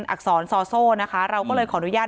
อักษรซอโซทำดีคุณเลยขออนุญาต